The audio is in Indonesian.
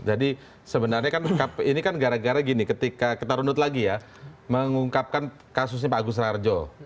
sebenarnya kan ini kan gara gara gini ketika kita rundut lagi ya mengungkapkan kasusnya pak agus rarjo